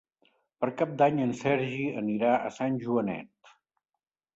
Per Cap d'Any en Sergi anirà a Sant Joanet.